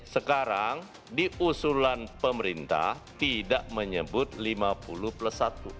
sekarang di usulan pemerintah tidak menyebut lima puluh plus satu